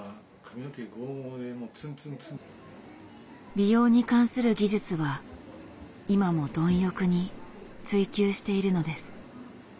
美容に関する技術は今も貪欲に追求しているのです。